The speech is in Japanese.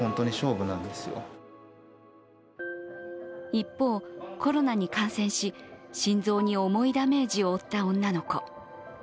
一方、コロナに感染し心臓に重いダメージを負った女の子。